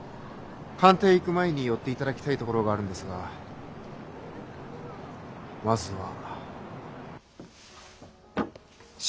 官邸へ行く前に寄っていただきたい所があるんですがまずは。